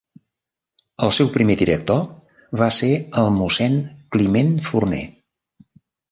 El seu primer director va ser el mossèn Climent Forner.